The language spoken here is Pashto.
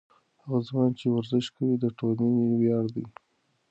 هغه ځوان چې ورزش کوي، د ټولنې ویاړ دی.